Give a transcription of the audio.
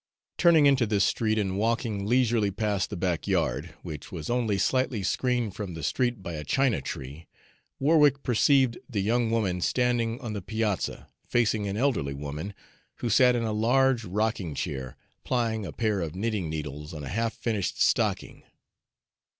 Turning into this street and walking leisurely past the back yard, which was only slightly screened from the street by a china tree, Warwick perceived the young woman standing on the piazza, facing an elderly woman, who sat in a large rocking chair, plying a pair of knitting needles on a half finished stocking.